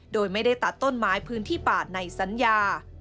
โดยไม่ได้ตัดต้นไม้พื้นที่ป่าในสัญญา